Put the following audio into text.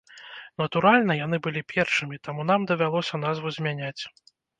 Натуральна, яны былі першымі, таму нам давялося назву змяняць.